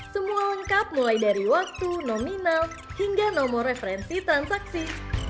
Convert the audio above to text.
semua lengkap mulai dari waktu nominal hingga nomor referensi transaksi